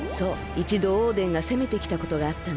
いちどオーデンがせめてきたことがあったんだ。